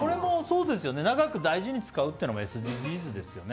長く大事に使うというのもＳＤＧｓですよね。